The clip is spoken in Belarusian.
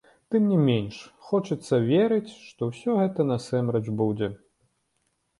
Тым не менш, хочацца верыць, што ўсё гэта насамрэч будзе.